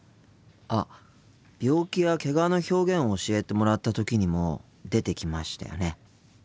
あっ病気やけがの表現を教えてもらった時にも出てきましたよね？